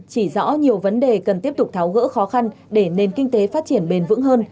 chỉ rõ nhiều vấn đề cần tiếp tục tháo gỡ khó khăn để nền kinh tế phát triển bền vững hơn